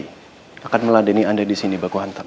saya akan meladeni anda disini baku hantam